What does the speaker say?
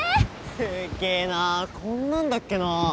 すっげえなあこんなんだっけな。